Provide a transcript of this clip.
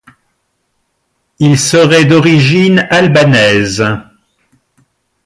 Il serait d'origine albanaise.